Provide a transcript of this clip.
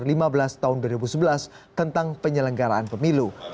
yang dikirimkan pada april lima belas tahun dua ribu sebelas tentang penyelenggaraan pemilu